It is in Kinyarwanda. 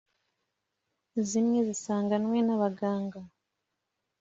zimwe zisanganywe n’abaganga